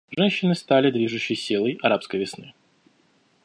Женщины стали движущей силой «арабской весны».